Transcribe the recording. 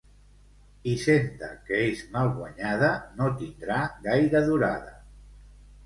Hisenda que és mal guanyada no tindrà gaire durada.